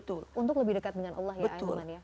untuk lebih dekat dengan allah ya ahilman ya